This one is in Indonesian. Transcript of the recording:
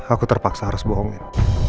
aku terpaksa harus bohongin